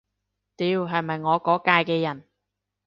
屌，係咪我嗰屆嘅人